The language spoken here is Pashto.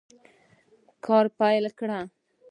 کار پیل کړ.